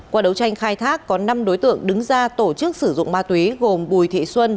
qua đấu tranh khai thác có năm đối tượng đứng ra tổ chức sử dụng ma túy gồm bùi thị xuân